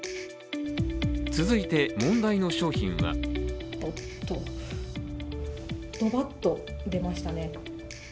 続いて問題の商品はドバッと出ましたね。